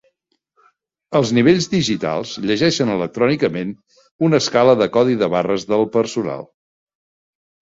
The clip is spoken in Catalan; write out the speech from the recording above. Els nivells digitals llegeixen electrònicament una escala de codi de barres del personal.